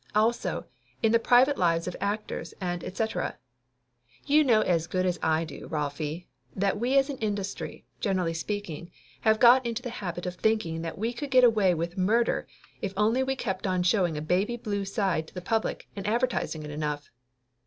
Also in the private lives of actors and etcetera. You know as good as I do, Rolfie, that we as a industry, generally speaking, have got into the habit of thinking that we could get away with mur der if only we kept on showing a baby blue side to the public and advertising it enough.